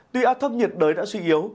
tuy át thấp nhiệt đới đã suy yếu